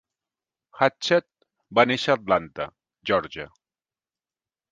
Hatchett va néixer a Atlanta, Geòrgia.